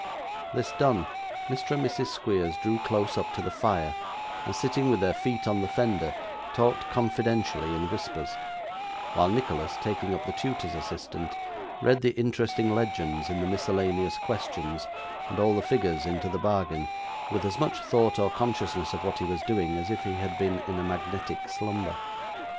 This done, Mr. and Mrs. Squeers drew close up to the fire, and sitting with their feet on the fender, talked confidentially in whispers; while Nicholas, taking up the tutor's assistant, read the interesting legends in the miscellaneous questions, and all the figures into the bargain, with as much thought or consciousness of what he was doing, as if he had been in a magnetic slumber.